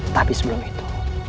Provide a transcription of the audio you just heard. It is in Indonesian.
tapi sebelum itu